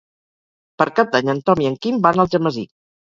Per Cap d'Any en Tom i en Quim van a Algemesí.